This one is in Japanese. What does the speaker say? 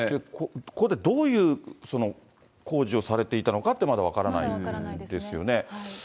ここでどういう工事をされていたのかって、まだ分からないんまだ分からないですね。